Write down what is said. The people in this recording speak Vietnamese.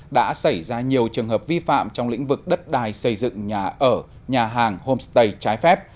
đã xảy ra nhiều trường hợp vi phạm trong lĩnh vực đất đài xây dựng nhà ở nhà hàng homestay trái phép